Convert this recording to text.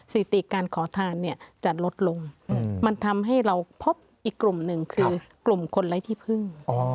สิติการขอทานเนี่ยจะลดลงมันทำให้เราพบอีกกลุ่มหนึ่งคือกลุ่มคนไร้ที่พึ่ง